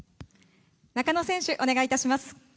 中野選手、お願いいたします。